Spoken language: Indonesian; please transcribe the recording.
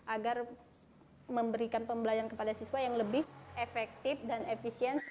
agar memberikan pembelajaran kepada siswa yang lebih efektif dan efisien